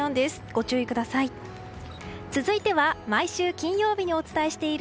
ご注意ください。